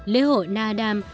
lễ hội na adam